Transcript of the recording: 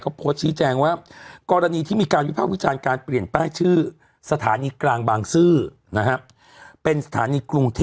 เขาบอกโดยการรถไฟของประเทศไทย